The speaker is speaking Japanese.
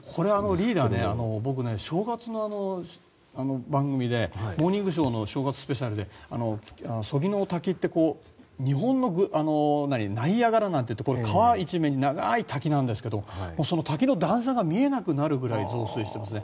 リーダー、僕正月の番組で「モーニングショー」の正月スペシャルで曽木の滝って日本のナイアガラなんて言われてこれ、川一面に長い滝なんですがその滝の段差が見えなくなるくらい増水してますね。